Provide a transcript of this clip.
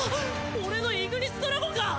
俺のイグニスドラゴンが！